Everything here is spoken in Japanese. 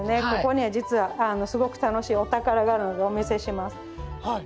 ここね実はすごく楽しいお宝があるのでお見せします。